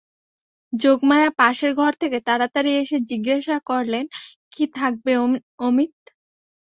যোগমায়া পাশের ঘর থেকে তাড়াতাড়ি এসে জিজ্ঞাসা করলেন, কী থাকবে অমিত।